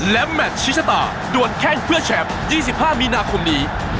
และแมทชิชตาดวนแข้งเพื่อแชมป์๒๕มีนาคมนี้